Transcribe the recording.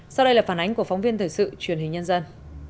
sau đây là phản ánh của phóng viên thời sự truyền hình nhân dân